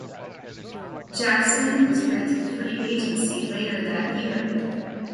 Jackson was granted free agency later that year.